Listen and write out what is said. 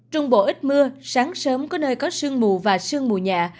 trung bộ ít mưa sáng sớm có nơi có sương mù và sương mù nhẹ